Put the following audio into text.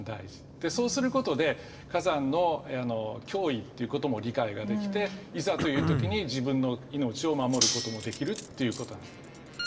でそうすることで火山の脅威っていうことも理解ができていざという時に自分の命をまもることもできるっていうことなんです。